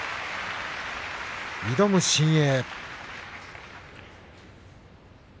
挑む新鋭。